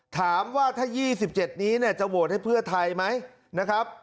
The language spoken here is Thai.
ถามว่าถ้า๒๗นี้เนี่ยจะโหวตให้เพื่อไทยไหมนะครับ